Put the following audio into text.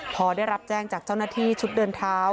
พอได้รับแจ้งจากเจ้าหน้าที่ชุดเดินเท้า